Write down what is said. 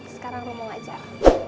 sekarang lu mau ngajar